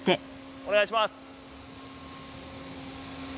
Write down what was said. お願いします！